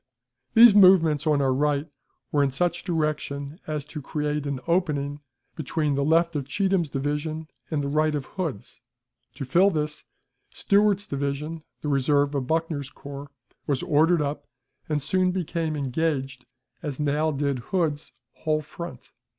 These movements on our right were in such direction as to create an opening between the left of Cheatham's division and the right of Hood's. To fill this, Stewart's division, the reserve of Buckner's corps, was ordered up, and soon became engaged, as now did Hood's whole front.